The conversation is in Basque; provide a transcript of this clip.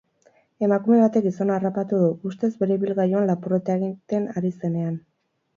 Emakume batek gizona harrapatu du, ustez bere ibilgailuan lapurreta egiten ari zenean.